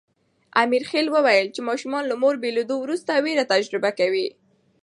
امرخېل وویل چې ماشومان له مور بېلېدو وروسته وېره تجربه کوي.